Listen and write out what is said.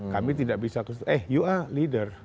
kami tidak bisa eh you a leader